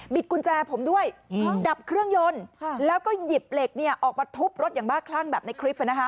กุญแจผมด้วยดับเครื่องยนต์แล้วก็หยิบเหล็กเนี่ยออกมาทุบรถอย่างบ้าคลั่งแบบในคลิป